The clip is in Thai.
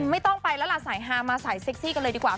ไม่ต้องไปแล้วล่ะสายฮามาสายเซ็กซี่กันเลยดีกว่า